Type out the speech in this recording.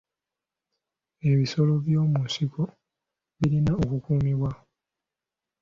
Ebisolo by'omu nsiko birina okukuumibwa.